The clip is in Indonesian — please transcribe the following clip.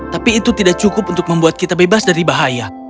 tapi itu tidak cukup untuk membuat kita bebas dari bahaya